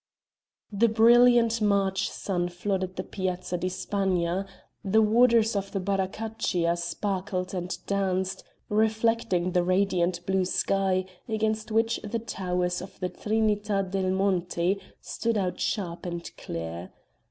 The brilliant March sun flooded the Piazza di Spagna, the waters of the Baracaccia sparkled and danced, reflecting the radiant blue sky, against which the towers of the Trinita dei Monti stood out sharp and clear.